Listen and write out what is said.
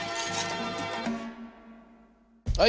はい。